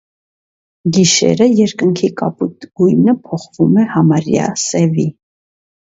Գիշերը երկնքի կապույտ գույնը փոխվում է համարյա սևի։